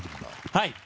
はい。